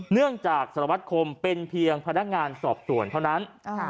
เนื่องจากสารวัตรคมเป็นเพียงพนักงานสอบส่วนเท่านั้น